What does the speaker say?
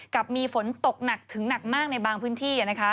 กับมีฝนตกหนักถึงหนักมากในบางพื้นที่นะคะ